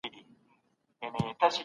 د ټولنې نظم د هر چا په ګټه دی.